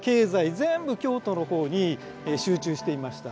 全部京都の方に集中していました。